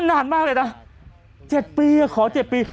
นานมากเลยนะเจ็ดปีอะขอเจ็ดปี